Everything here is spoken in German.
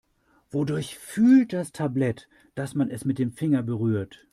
Wodurch fühlt das Tablet, dass man es mit dem Finger berührt?